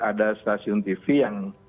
ada stasiun tv yang